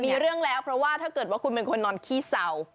มีเรื่องแล้วเพราะว่าถ้าเกิดว่าคุณเป็นคนนอนขี้เศร้า